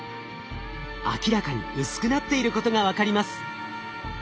明らかに薄くなっていることが分かります。